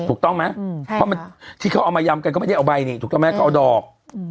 ถูกต้องไหมที่เขาเอาอย่างเกินก็ไม่ได้เอาใบนี่ถูกต้องมั้ยเอาดอก